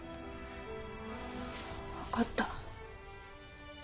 分かった。